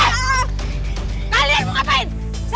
nanti jangan jangan